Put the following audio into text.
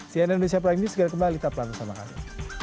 cnn indonesia palinggi segera kembali ke pelatihan sama kami